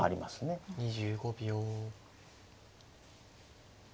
２５秒。